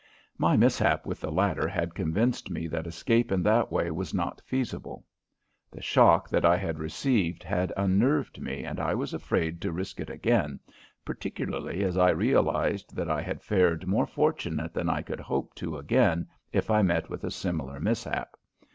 My mishap with the ladder had convinced me that escape in that way was not feasible. The shock that I had received had unnerved me and I was afraid to risk it again, particularly as I realized that I had fared more fortunately than I could hope to again if I met with a similar mishap.